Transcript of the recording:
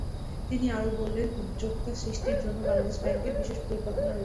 তিনি আরও বলেন, উদ্যোক্তা সৃষ্টির জন্য বাংলাদেশ ব্যাংকের বিশেষ পরিকল্পনা রয়েছে।